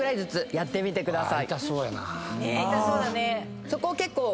やってみてください。